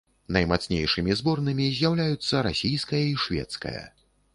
Наймацнейшымі зборнымі з'яўляюцца расійская і шведская.